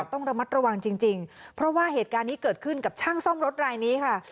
ต้องระมัดระวังจริงเพราะว่าเหตุการณ์นี้เกิดขึ้นกับช่างซ่อมรถรายนี้ค่ะ